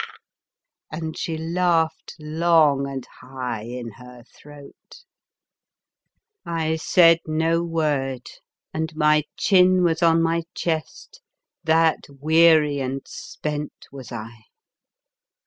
and she laughed long and high in her throat. 77 The Fearsome Island I said no word, and my chin was on my chest, that weary and spent was I.